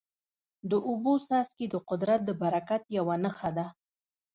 د اوبو څاڅکي د قدرت د برکت یوه نښه ده.